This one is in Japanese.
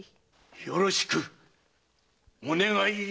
よろしくお願いいたしまする。